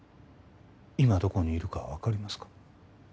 今どこにいるかは分かりますか？